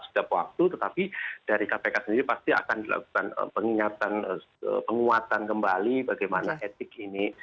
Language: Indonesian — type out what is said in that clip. setiap waktu tetapi dari kpk sendiri pasti akan dilakukan penguatan kembali bagaimana etik ini